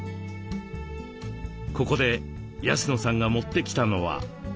ここで安野さんが持ってきたのは。